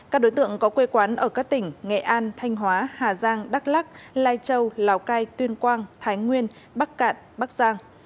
các đối tượng có quê quán ở các tỉnh nghệ an thanh hóa hà giang đắk lắc lai châu lào cai tuyên quang thái nguyên bắc cạn bắc giang